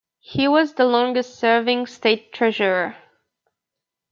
He was the longest-serving state treasurer.